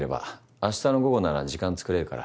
明日の午後なら時間作れるから。